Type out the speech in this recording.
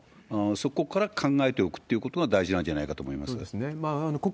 そこから考えておくってことが大事なんじゃないかと思います。